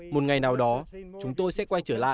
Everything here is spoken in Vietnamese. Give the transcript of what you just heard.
một ngày nào đó chúng tôi sẽ quay trở lại